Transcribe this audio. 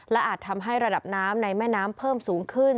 อาจทำให้ระดับน้ำในแม่น้ำเพิ่มสูงขึ้น